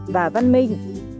và văn minh